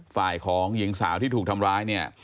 ฝ่ายของหญิงสาวที่ถูกทำร้ายเนี่ย